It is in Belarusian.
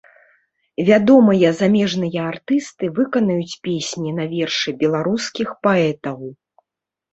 Вядомыя замежныя артысты выканаюць песні на вершы беларускіх паэтаў.